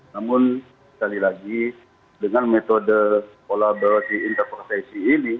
namun sekali lagi dengan metode kolaborasi interprosesi ini